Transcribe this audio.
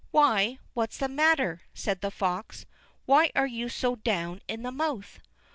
"Why, what's the matter?" said the fox. "Why are you so down in the mouth?"